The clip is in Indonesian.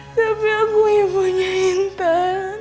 tapi aku ibunya intan